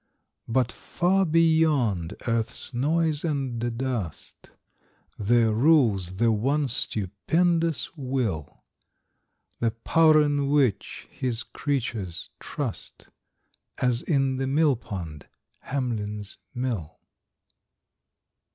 But far beyond earth's noise and dust, There rules the one stupendous Will, The power in which His creatures trust, As in the mill pond Hamlin's Mill.